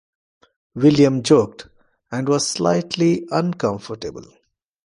William joked, and was slightly uncomfortable.